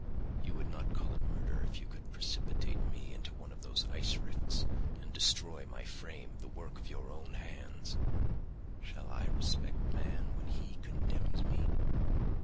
You would not call it murder if you could precipitate me into one of those ice rifts and destroy my frame, the work of your own hands. Shall I respect man when he condemns me?